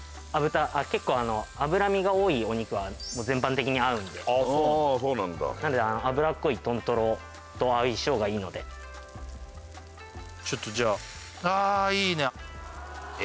結構脂身が多いお肉は全般的に合うんでああそうなんだなので脂っこい豚トロと相性がいいのでちょっとじゃあああいいなえ